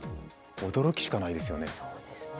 驚きしかないですよね。